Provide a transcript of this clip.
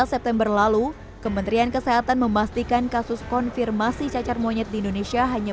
september lalu kementerian kesehatan memastikan kasus konfirmasi cacar monyet di indonesia hanya